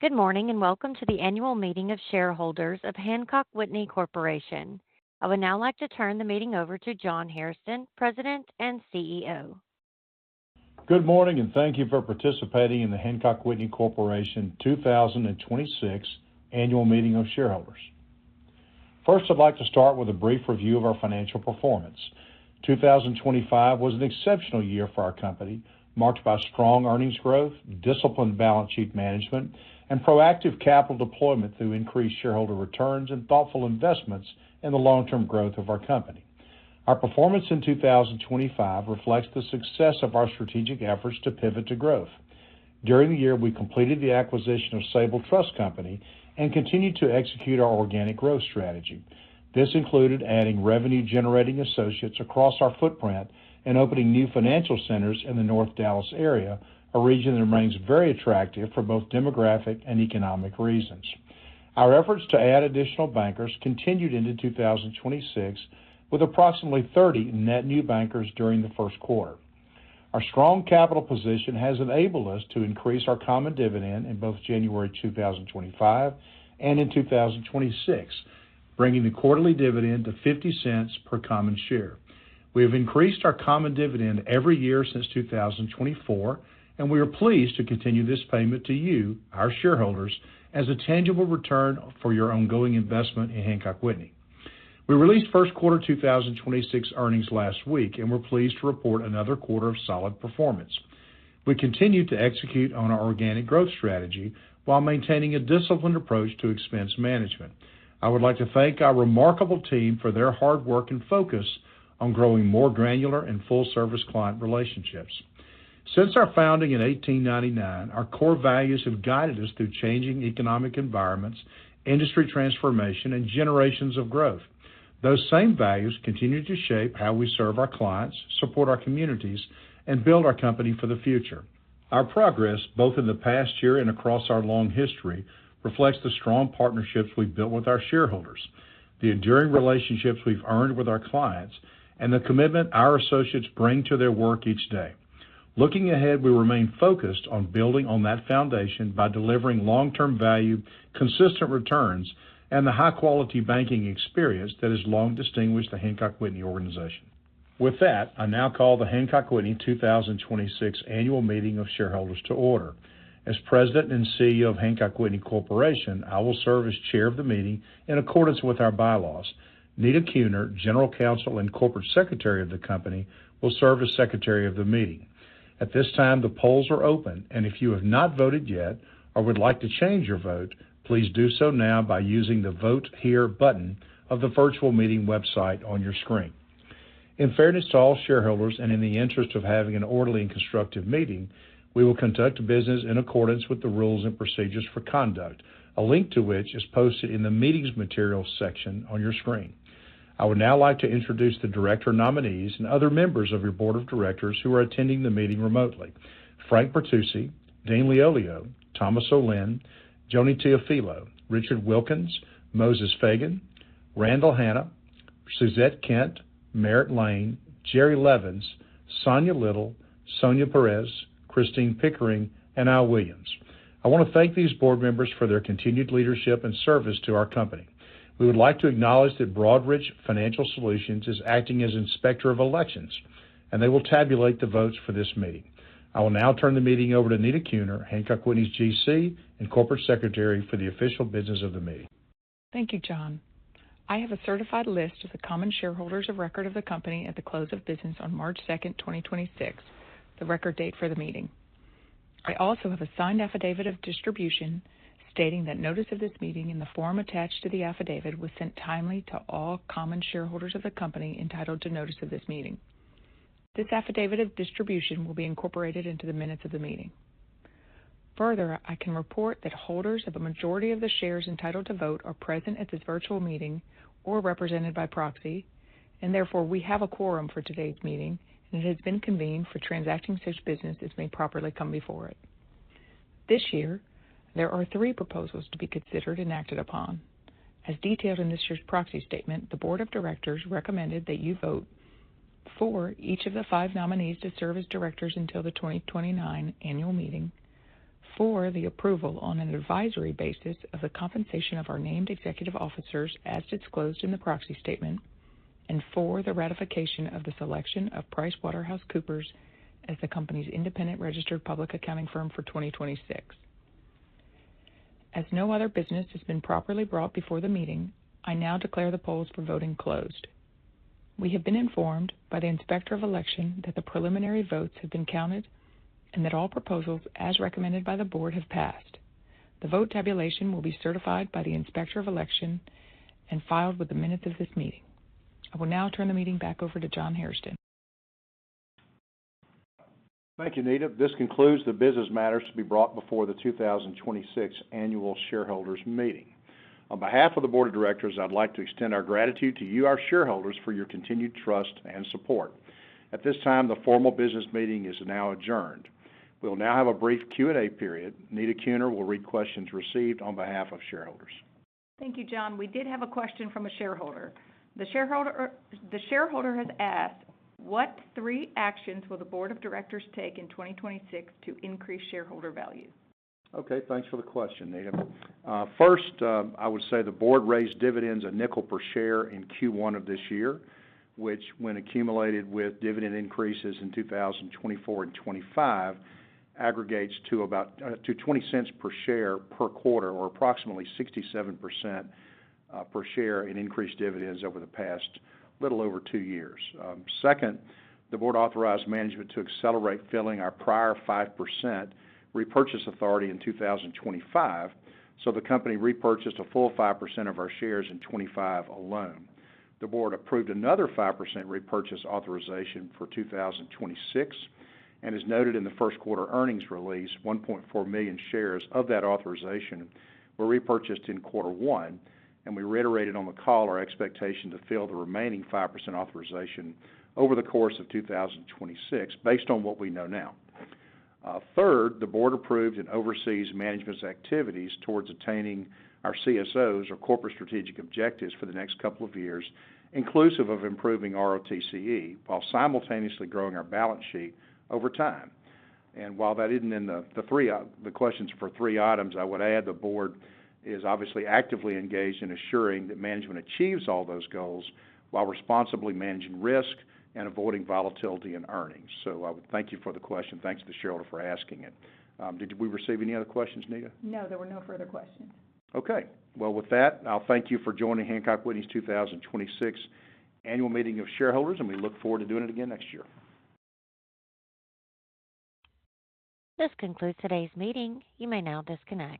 Good morning, and welcome to the annual meeting of shareholders of Hancock Whitney Corporation. I would now like to turn the meeting over to John Hairston, President and CEO. Good morning, thank you for participating in the Hancock Whitney Corporation 2026 annual meeting of shareholders. First, I'd like to start with a brief review of our financial performance. 2025 was an exceptional year for our company, marked by strong earnings growth, disciplined balance sheet management, and proactive capital deployment through increased shareholder returns and thoughtful investments in the long-term growth of our company. Our performance in 2025 reflects the success of our strategic efforts to pivot to growth. During the year, we completed the acquisition of Sabal Trust Company and continued to execute our organic growth strategy. This included adding revenue-generating associates across our footprint and opening new financial centers in the North Dallas area, a region that remains very attractive for both demographic and economic reasons. Our efforts to add additional bankers continued into 2026, with approximately 30 net new bankers during the first quarter. Our strong capital position has enabled us to increase our common dividend in both January 2025 and in 2026, bringing the quarterly dividend to $0.50 per common share. We have increased our common dividend every year since 2024, and we are pleased to continue this payment to you, our shareholders, as a tangible return for your ongoing investment in Hancock Whitney. We released first quarter 2026 earnings last week, and we're pleased to report another quarter of solid performance. We continue to execute on our organic growth strategy while maintaining a disciplined approach to expense management. I would like to thank our remarkable team for their hard work and focus on growing more granular and full service client relationships. Since our founding in 1899, our core values have guided us through changing economic environments, industry transformation, and generations of growth. Those same values continue to shape how we serve our clients, support our communities, and build our company for the future. Our progress, both in the past year and across our long history, reflects the strong partnerships we've built with our shareholders, the enduring relationships we've earned with our clients, and the commitment our associates bring to their work each day. Looking ahead, we remain focused on building on that foundation by delivering long-term value, consistent returns, and the high-quality banking experience that has long distinguished the Hancock Whitney organization. With that, I now call the Hancock Whitney 2026 annual meeting of shareholders to order. As President and CEO of Hancock Whitney Corporation, I will serve as Chair of the meeting in accordance with our bylaws. Nita Kuhner, General Counsel and Corporate Secretary of the company, will serve as Secretary of the meeting. At this time, the polls are open, and if you have not voted yet or would like to change your vote, please do so now by using the Vote Here button of the virtual meeting website on your screen. In fairness to all shareholders and in the interest of having an orderly and constructive meeting, we will conduct business in accordance with the rules and procedures for conduct, a link to which is posted in the Meetings Materials section on your screen. I would now like to introduce the director nominees and other members of your board of directors who are attending the meeting remotely. Frank Bertucci, Dean Liollio, Thomas Olinde, Joanie Teofilo, Richard Wilkins, Moses Feagin, Randall Hanna, Suzette Kent, Merritt Lane, Jerry Levens, Sonya Little, Sonia Pérez, Christine Pickering, and Al Williams. I want to thank these board members for their continued leadership and service to our company. We would like to acknowledge that Broadridge Financial Solutions is acting as Inspector of Elections, and they will tabulate the votes for this meeting. I will now turn the meeting over to Nita Kuhner, Hancock Whitney's GC and Corporate Secretary, for the official business of the meeting. Thank you, John. I have a certified list of the common shareholders of record of the company at the close of business on March 2nd, 2026, the record date for the meeting. I also have a signed affidavit of distribution stating that notice of this meeting in the form attached to the affidavit was sent timely to all common shareholders of the company entitled to notice of this meeting. This affidavit of distribution will be incorporated into the minutes of the meeting. Further, I can report that holders of a majority of the shares entitled to vote are present at this virtual meeting or represented by proxy, and therefore, we have a quorum for today's meeting, and it has been convened for transacting such business as may properly come before it. This year, there are three proposals to be considered and acted upon. As detailed in this year's proxy statement, the board of directors recommended that you vote for each of the five nominees to serve as directors until the 2029 annual meeting, for the approval on an advisory basis of the compensation of our named executive officers as disclosed in the proxy statement, and for the ratification of the selection of PricewaterhouseCoopers as the company's independent registered public accounting firm for 2026. As no other business has been properly brought before the meeting, I now declare the polls for voting closed. We have been informed by the Inspector of Election that the preliminary votes have been counted and that all proposals, as recommended by the board, have passed. The vote tabulation will be certified by the Inspector of Election and filed with the minutes of this meeting. I will now turn the meeting back over to John Hairston. Thank you, Nita. This concludes the business matters to be brought before the 2026 annual shareholders meeting. On behalf of the board of directors, I'd like to extend our gratitude to you, our shareholders, for your continued trust and support. At this time, the formal business meeting is now adjourned. We'll now have a brief Q&A period. Nita Kuhner will read questions received on behalf of shareholders. Thank you, John. We did have a question from a shareholder. The shareholder has asked, "What three actions will the board of directors take in 2026 to increase shareholder value? Okay, thanks for the question, Nita Kuhner. first, I would say the board raised dividends a nickel per share in Q1 of this year, which when accumulated with dividend increases in 2024 and 2025, aggregates to about $0.20 per share per quarter or approximately 67% per share in increased dividends over the past little over two years. second, the board authorized management to accelerate filling our prior 5% repurchase authority in 2025, the company repurchased a full 5% of our shares in 2025 alone. The board approved another 5% repurchase authorization for 2026 and is noted in the first quarter earnings release, 1.4 million shares of that authorization were repurchased in Q1, and we reiterated on the call our expectation to fill the remaining 5% authorization over the course of 2026 based on what we know now. Third, the board approved and oversees management's activities towards attaining our CSOs or corporate strategic objectives for the next couple of years, inclusive of improving ROTCE, while simultaneously growing our balance sheet over time. While that isn't in the three items, the questions for three items, I would add the board is obviously actively engaged in assuring that management achieves all those goals while responsibly managing risk and avoiding volatility and earnings. I would thank you for the question. Thanks to the shareholder for asking it. Did we receive any other questions, Nita? No, there were no further questions. Okay. Well, with that, I'll thank you for joining Hancock Whitney's 2026 annual meeting of shareholders. We look forward to doing it again next year. This concludes today's meeting. You may now disconnect.